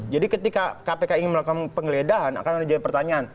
jadi ketika kpk ingin melakukan penggeledahan akan ada pertanyaan